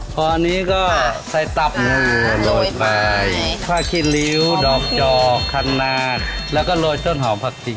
พออันนี้ก็ใส่ตับโรยใบผ้าขี้ลิ้วดอกจอคันนาแล้วก็โรยต้นหอมผักจริง